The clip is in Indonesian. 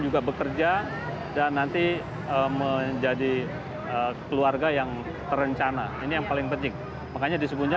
juga bekerja dan nanti menjadi keluarga yang terencana ini yang paling penting makanya disebutnya